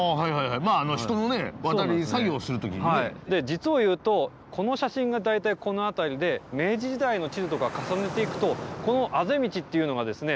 実をいうとこの写真が大体この辺りで明治時代の地図とか重ねていくとこのあぜ道っていうのがですね